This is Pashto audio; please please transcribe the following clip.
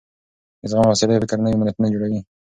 د زغم او حوصلې فکر نوي ملتونه جوړوي.